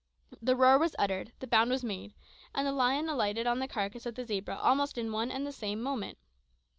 The roar was uttered, the bound was made, and the lion alighted on the carcass of the zebra almost in one and the same moment.